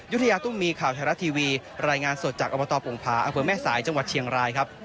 ยุธยาตุ้มมีข่าวแถวละทีวีรายงานสดจากอัพโตะปงพาอาคหมแตม่สายจังหวัดเชียงรายครับ